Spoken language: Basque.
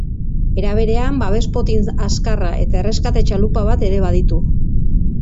Era berean, babes-potin azkarra eta erreskate txalupa bat ere baditu.